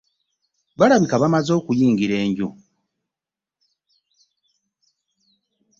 Balabika baamaze okuyingira enju.